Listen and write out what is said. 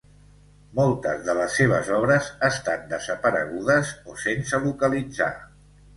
Moltes de les seves obres estan desaparegudes o sense localitzar.